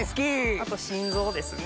あと心臓ですね。